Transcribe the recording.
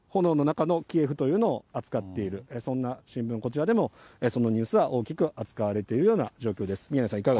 炎の中のキエフというのを扱っている、そんな新聞、こちらでも、そのニュースは大きく扱われているような状況です。